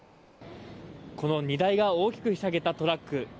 この荷台が大きくひしゃげたトラック。